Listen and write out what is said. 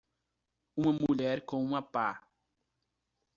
Uma mulher com uma pá.